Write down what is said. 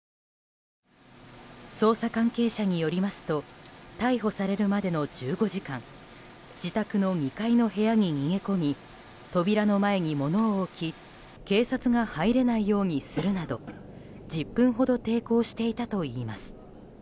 捜査関係者によりますと逮捕されるまでの１５時間自宅の２階の部屋に逃げ込み扉の前に物を置き警察が入れないようにするなど１０分ほど抵抗していたといいます。